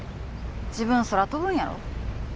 自分空飛ぶんやろ？